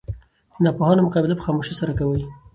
د ناپوهانو مقابله په خاموشي سره کوئ!